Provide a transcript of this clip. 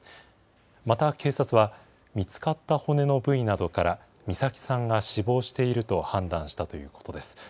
また、警察は見つかった骨の部位などから、美咲さんが死亡していると判断したということです。